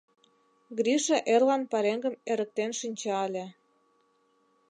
Гриша эрлан пареҥгым эрыктен шинча ыле.